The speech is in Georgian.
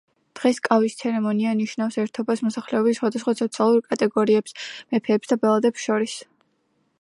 დღეს კავის ცერემონია ნიშნავს ერთობას მოსახლეობის სხვადასხვა სოციალურ კატეგორიებს, მეფეებს და ბელადებს შორის.